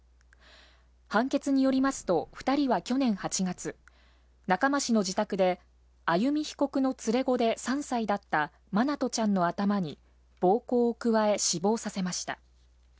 判決によりますと、２人は去年８月、中間市の自宅で歩被告の連れ子で３歳だった愛翔ちゃんの頭に、暴行を加え、死亡させました。